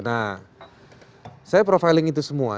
nah saya profiling itu semua